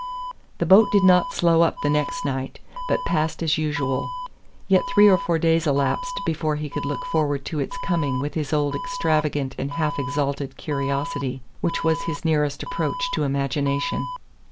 The boat did not "slow up" the next night, but passed as usual; yet three or four days elapsed before he could look forward to its coming with his old extravagant and half exalted curiosity which was his nearest approach to imagination.